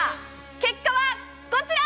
結果はこちら。